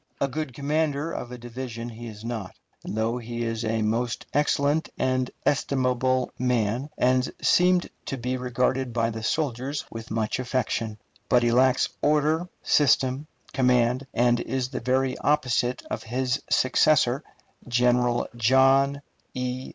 A good commander of a division he is not, though he is a most excellent and estimable man, and seemed to be regarded by the soldiers with much affection. But he lacks order, system, command, and is the very opposite of his successor, General John E.